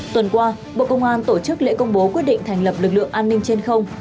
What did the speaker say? tuần qua bộ công an tổ chức lễ công bố quyết định thành lập lực lượng an ninh trên không